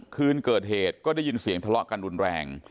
คืนเกิดเหตุก็ได้ยินเสียงทะเลาะกันรุนแรง